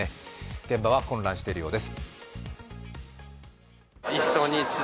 現場は混乱しているようです。